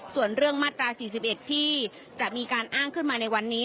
ส่วนเรื่องมาตรา๔๑ที่จะมีการอ้างขึ้นมาในวันนี้